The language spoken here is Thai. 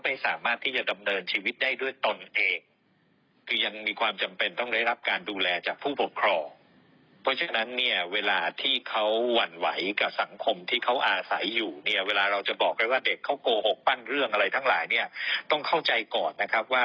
เพราะเขามีความหวั่นไหวว่าถ้าพูดความจริงไปแล้วมีปัญหาเกิดขึ้นใช่ไหม